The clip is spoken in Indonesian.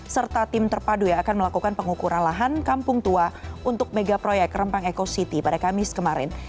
serta tim terpadu yang akan melakukan pengukuran lahan kampung tua untuk mega proyek rempang eco city pada kamis kemarin